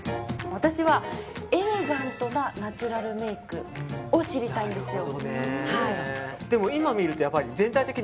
私はエレガントなナチュラルメイクを知りたいんですよ。